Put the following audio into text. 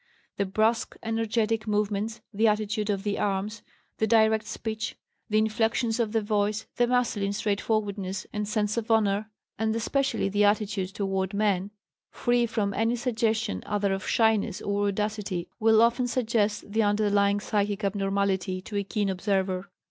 The brusque, energetic movements, the attitude of the arms, the direct speech, the inflexions of the voice, the masculine straightforwardness and sense of honor, and especially the attitude toward men, free from any suggestion either of shyness or audacity, will often suggest the underlying psychic abnormality to a keen observer.